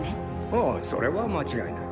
ああそれは間違いない。